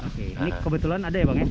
oke ini kebetulan ada ya bang ya